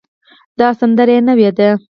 دا سندره نوې ده